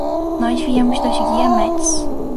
Nós viemos dos Guiamets.